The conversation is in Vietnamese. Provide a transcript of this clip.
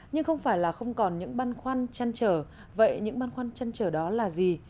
nhưng không phải là không còn những băn khoăn chăn trở vậy những băn khoăn chăn trở đó là gì